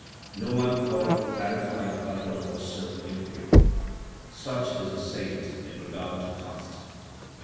No one calleth clarified butter or silk impure ;] Such is a saint in regard to caste.